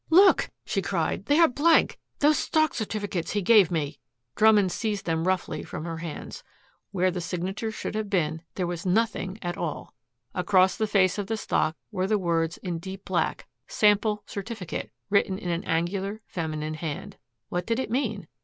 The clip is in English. "Look!" she cried. "They are blank those stock certificates he gave me." Drummond seized them roughly from her hands. Where the signatures should have been there was nothing at all! Across the face of the stock were the words in deep black, "SAMPLE CERTIFICATE," written in an angular, feminine hand. What did it mean?